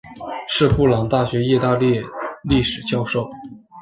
是布朗大学意大利历史教授。